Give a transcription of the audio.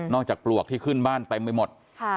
จากปลวกที่ขึ้นบ้านเต็มไปหมด